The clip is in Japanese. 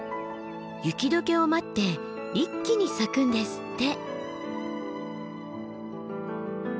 雪解けを待って一気に咲くんですって。